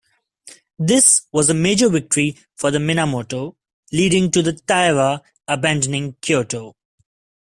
This was a major victory for the Minamoto, leading to the Taira abandoning Kyoto.